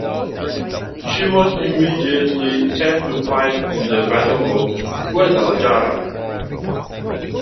She was immediately sent to fight in the Battle of Guadalajara.